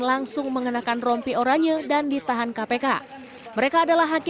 langsung mengenakan rompi oranya dan ditahan kpk